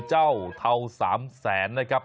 เจ้าเทาสามแสนนะครับ